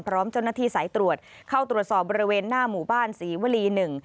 พร้อมเจ้าหน้าที่สายตรวจเข้าตรวจสอบบริเวณหน้าหมู่บ้านศรีวรีหนึ่ง